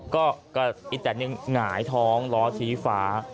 ก็อีแตนหนึ่งหงายท้องล้อชี้ฟ้า